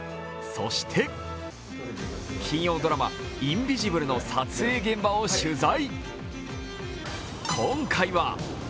そして金曜ドラマ「インビジブル」の撮影現場を取材。